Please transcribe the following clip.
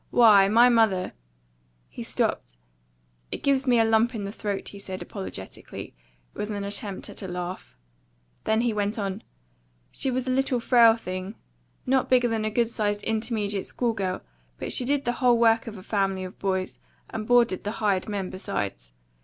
Why, my mother " he stopped. "It gives me a lump in the throat," he said apologetically, with an attempt at a laugh. Then he went on: "She was a little frail thing, not bigger than a good sized intermediate school girl; but she did the whole work of a family of boys, and boarded the hired men besides.